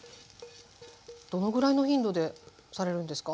どのぐらいの頻度でされるんですか